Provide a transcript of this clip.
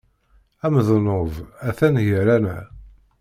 Amednub atan gar-aneɣ.